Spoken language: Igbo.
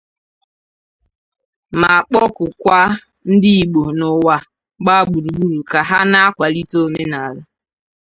ma kpọkukwa ndị Igbo n'ụwa gbaa gburugburu ka ha na-akwàlite omenala